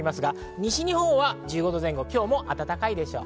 西日本は１５度前後で今日も暖かいでしょう。